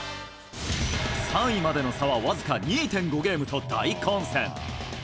３位までの差はわずか２．５ゲームと大混戦。